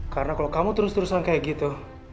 karena kalau kamu terus terusan kayak gitu